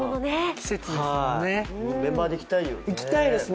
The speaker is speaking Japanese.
メンバーで行きたいよね。